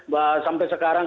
bahkan sampai sekarang